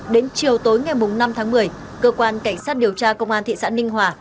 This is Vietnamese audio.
đến chiều tối ngày năm tháng một mươi cơ quan cảnh sát điều tra công an thị xã ninh hòa